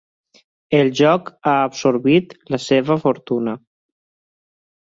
El joc ha absorbit la seva fortuna.